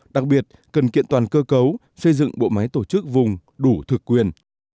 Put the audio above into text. đặc biệt cần kiện toàn cơ cấu xây dựng bộ máy tổ chức vùng đủ thực quyền